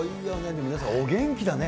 でも皆さん、お元気だね。